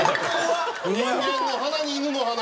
人間の鼻に犬の鼻。